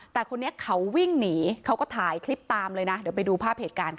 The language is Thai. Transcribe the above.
แต่คนนี้เขาวิ่งหนีเขาก็ถ่ายคลิปตามเลยนะเดี๋ยวไปดูภาพเหตุการณ์ค่ะ